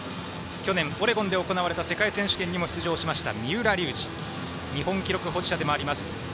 去年、オレゴンで行われた世界選手権に出場した三浦龍司日本記録保持者でもあります。